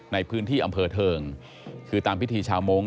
ในพื้นที่อำเภอเทิงคือตามพิธีชาวมงค